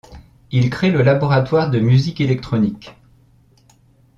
Il y crée le laboratoire de musique électronique.